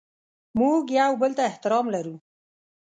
موږ یو بل ته احترام لرو.